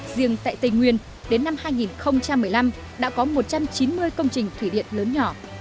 riêng tại tây nguyên đến năm hai nghìn một mươi năm đã có một trăm chín mươi công trình thủy điện lớn nhỏ